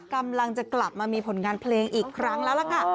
กำลังจะกลับมามีผลงานเพลงอีกครั้งแล้วล่ะค่ะ